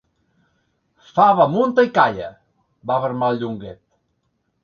Fava, munta i calla! —va bramar el Llonguet.